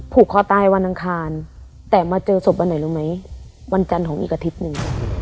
ผูกคอตายวันอังคารแต่มาเจอศพวันไหนรู้ไหมวันจันทร์ของอีกอาทิตย์หนึ่ง